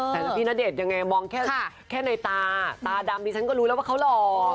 แต่พี่ณเดชน์ยังไงมองแค่ในตาตาดำดิฉันก็รู้แล้วว่าเขาหล่อ